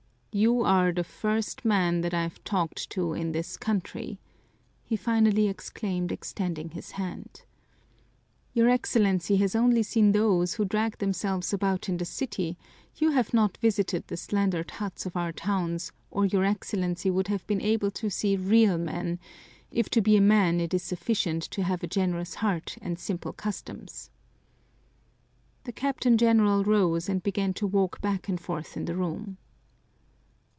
"You are the first man that I've talked to in this country!" he finally exclaimed, extending his hand. "Your Excellency has seen only those who drag themselves about in the city; you have not visited the slandered huts of our towns or your Excellency would have been able to see real men, if to be a man it is sufficient to have a generous heart and simple customs." The Captain General rose and began to walk back and forth in the room.